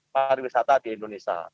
pariwisata di indonesia